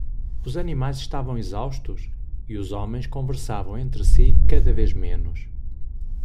Os animais estavam exaustos? e os homens conversavam entre si cada vez menos.